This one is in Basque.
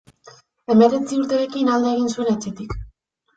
Hemeretzi urterekin alde egin zuen etxetik.